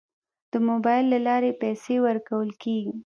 د موبایل له لارې پیسې ورکول کیږي.